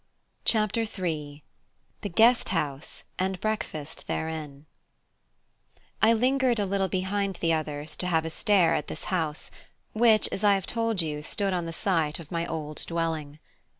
CHAPTER III: THE GUEST HOUSE AND BREAKFAST THEREIN I lingered a little behind the others to have a stare at this house, which, as I have told you, stood on the site of my old dwelling.